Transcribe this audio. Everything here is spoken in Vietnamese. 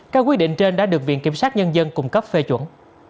các quyết định trên đã được viện kiểm sát nhân dân cung cấp phê chuẩn